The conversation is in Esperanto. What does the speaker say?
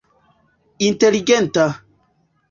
inteligenta